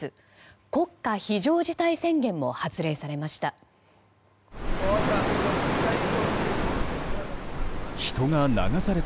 国家非常事態宣言も発令されました。